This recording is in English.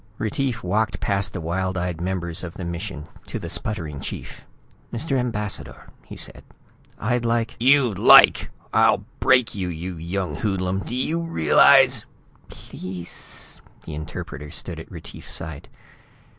Retief walked past the wild eyed members of the mission to the sputtering chief. "Mr. Ambassador," he said. "I'd like " "You'd like! I'll break you, you young hoodlum! Do you realize " "Pleass...." The interpreter stood at Retief's side.